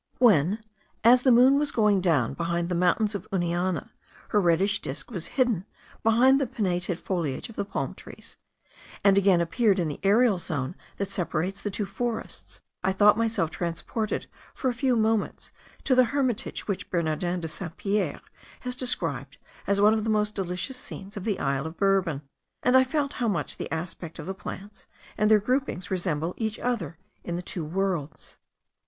When, as the moon was going down behind the mountains of Uniana, her reddish disc was hidden behind the pinnated foliage of the palm trees, and again appeared in the aerial zone that separates the two forests, I thought myself transported for a few moments to the hermitage which Bernardin de Saint Pierre has described as one of the most delicious scenes of the Isle of Bourbon, and I felt how much the aspect of the plants and their groupings resembled each other in the two worlds.